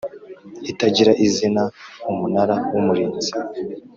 itagira izina Umunara w Umurinzi